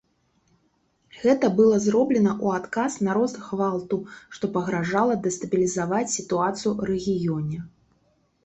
Гэта было зроблена ў адказ на рост гвалту, што пагражала дэстабілізаваць сітуацыю ў рэгіёне.